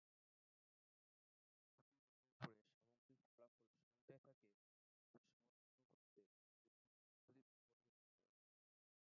যদি দুটি লেগের পরে সামগ্রিক ফলাফল সমতায় থাকে, তবে সমতা ভঙ্গ করতে বিভিন্ন পদ্ধতি ব্যবহার করা যেতে পারে।